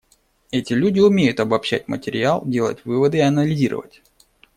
Эти люди умеют обобщать материал, делать выводы и анализировать.